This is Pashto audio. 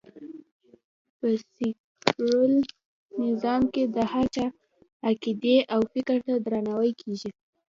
په سکیولر نظام کې د هر چا عقېدې او فکر ته درناوی کېږي